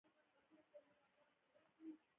ښوونځی د ژوند ښوونځی دی